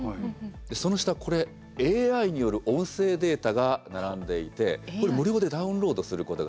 その下これＡＩによる音声データが並んでいてこれ無料でダウンロードすることができるんですけれども。